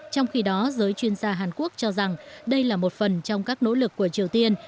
trong khi đó giới chuyên gia hàn quốc cho rằng đây là một phần trong các nỗ lực của triều tiên